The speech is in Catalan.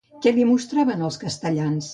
Què li mostraven els castellans?